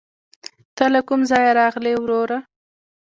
ته له کوم ځايه راغلې ؟ وروره